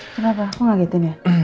kenapa kok ngagetin ya